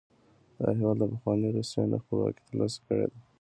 دا هېواد له پخوانۍ روسیې نه خپلواکي تر لاسه کړې ده.